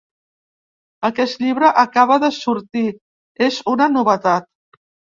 Aquest llibre acaba de sortir: és una novetat.